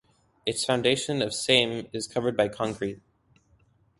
Its foundation of same is covered by concrete.